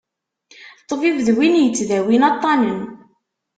Ṭbib d win yettdawin aṭṭanen.